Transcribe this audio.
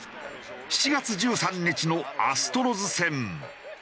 ７月１３日のアストロズ戦。